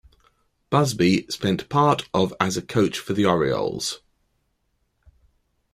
Busby spent part of as a coach for the Orioles.